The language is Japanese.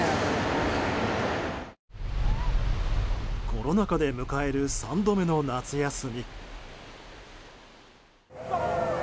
コロナ禍で迎える３度目の夏休み。